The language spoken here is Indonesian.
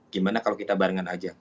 gimana kalau kita barengan aja